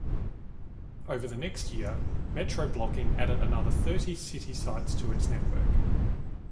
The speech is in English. Over the next year, Metroblogging added another thirty city sites to its network.